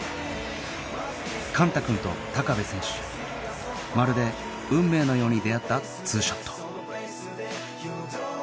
幹汰君と部選手まるで運命のように出会った２ショット